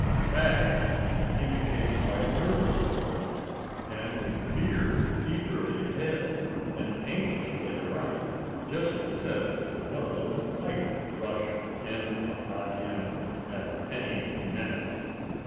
In fact, he became quite nervous over them, and would peer eagerly ahead and anxiously around, just as if one of them might rush in upon him at any minute.